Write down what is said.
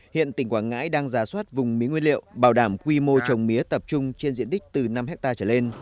hiện tỉnh quảng ngãi đang giả soát vùng mía nguyên liệu bảo đảm quy mô trồng mía tập trung trên diện tích từ năm hectare trở lên